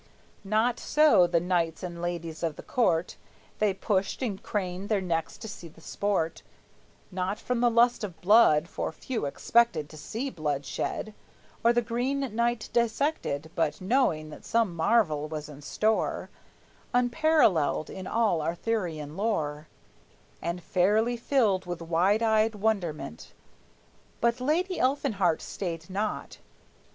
Not so the knights and ladies of the court; They pushed and craned their necks to see the sport; Not from the lust of blood, for few expected To see blood shed, or the Green Knight dissected, But knowing that some marvel was in store Unparalleled in all Arthurian lore, And fairly filled with wide eyed wonderment. But Lady Elfinhart stayed not.